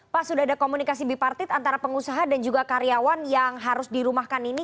pak sudah ada komunikasi bipartit antara pengusaha dan juga karyawan yang harus dirumahkan ini